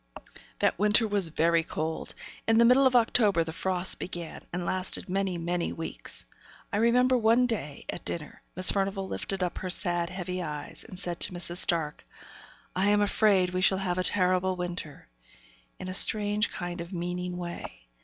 That winter was very cold. In the middle of October the frosts began, and lasted many, many weeks. I remember one day, at dinner, Miss Furnivall lifted up her sad, heavy eyes, and said to Mrs. Stark, 'I am afraid we shall have a terrible winter,' in a strange kind of meaning way.